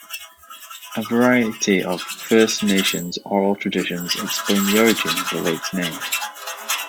A variety of First Nations oral traditions explain the origin of the lake's name.